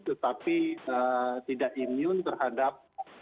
tetapi tidak immune terhadap